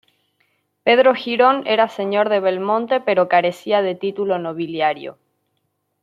Pedro Girón era señor de Belmonte pero carecía de título nobiliario.